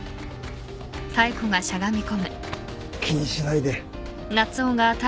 気にしないで。